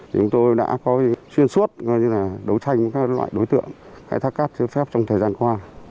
chúng tôi đã có chuyên suốt như là đấu tranh với các loại đối tượng khai thác cát cháy phép trong thời gian qua